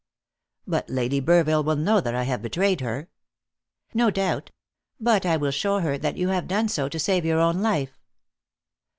"But Lady Burville will know that I have betrayed her." "No doubt. But I will show her that you have done so to save your own life."